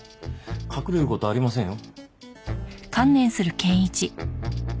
隠れる事はありませんよ。